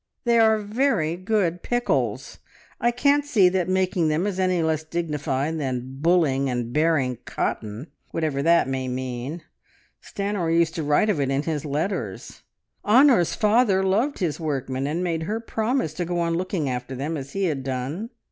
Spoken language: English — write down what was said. "They are very good pickles! I can't see that making them is any less dignified than `bulling' and `bearing' cotton whatever that may mean! Stanor used to write of it in his letters. Honor's father loved his workmen, and made her promise to go on looking after them as he had done.